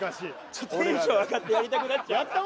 ちょっとテンション上がってやりたくなっちゃった